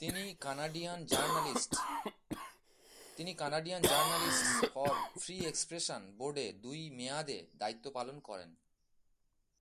তিনি Canadian journalists for free expression বোর্ডে দুই মেয়াদে দায়িত্ব পালন করেন।